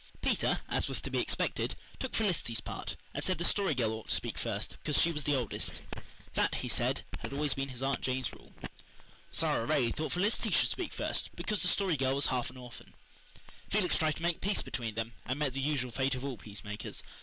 Peter, as was to be expected, took Felicity's part, and said the Story Girl ought to speak first because she was the oldest. That, he said, had always been his Aunt Jane's rule. Sara Ray thought Felicity should speak first, because the Story Girl was half an orphan. Felix tried to make peace between them, and met the usual fate of all peacemakers.